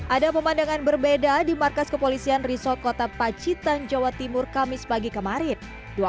ada pemandangan berbeda di markas kepolisian resort kota pacitan jawa timur kamis pagi kemarin